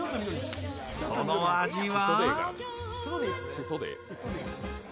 その味は？